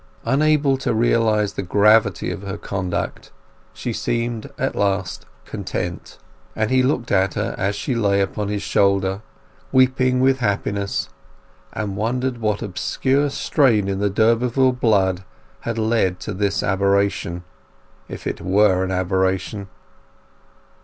Unable to realize the gravity of her conduct, she seemed at last content; and he looked at her as she lay upon his shoulder, weeping with happiness, and wondered what obscure strain in the d'Urberville blood had led to this aberration—if it were an aberration.